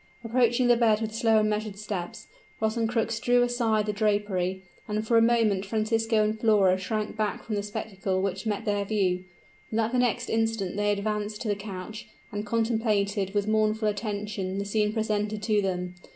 Approaching the bed with slow and measured steps, Rosencrux drew aside the drapery; and for a moment Francisco and Flora shrank back from the spectacle which met their view; but at the next instant they advanced to the couch, and contemplated with mournful attention the scene presented to them.